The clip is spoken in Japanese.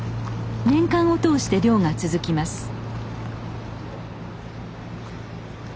年間を通して漁が続きます。